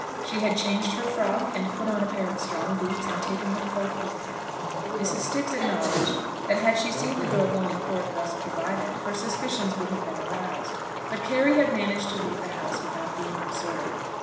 She had changed her frock and put on a pair of strong boots, and taken her cloak with her. Mrs. Stiggs acknowledged that had she seen the girl going forth thus provided, her suspicions would have been aroused; but Carry had managed to leave the house without being observed.